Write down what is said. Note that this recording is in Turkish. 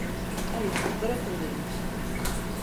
Hayır, bırakın beni!